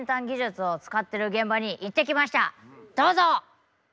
どうぞ！